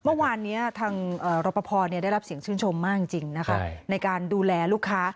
เมื่อวานทางรับประพอได้รับเสียงชื่นชมมากจริงในการดูแลลูกค้า